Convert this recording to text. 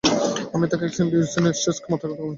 আমে থাকা অ্যান্টিঅক্সিডেন্ট স্ট্রেসের মাত্রা কমায়।